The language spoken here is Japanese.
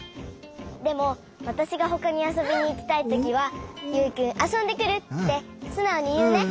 でもわたしがほかにあそびにいきたいときは「ユウくんあそんでくる」ってすなおにいうね！